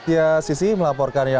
iya sissy melaporkan ya